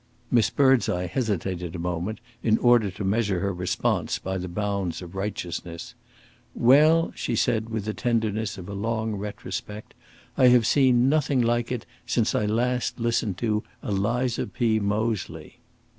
Miss Birdseye hesitated a moment, in order to measure her response by the bounds of righteousness. "Well," she said, with the tenderness of a long retrospect, "I have seen nothing like it since I last listened to Eliza P. Moseley."